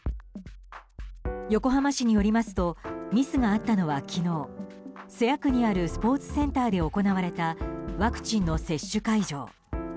横浜市によりますとミスがあったのは昨日瀬谷区にあるスポーツセンターで行われた、ワクチンの接種会場。